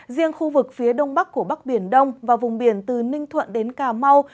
riêng khu vực phía đông bắc của bắc biển đông và vùng biển từ ninh thuận đến cà mau